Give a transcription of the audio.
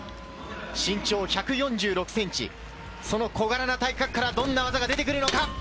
身長１４６ｃｍ、その小柄な体格からどんな技が出てくるのか。